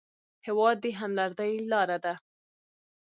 هېواد د همدردۍ لاره ده.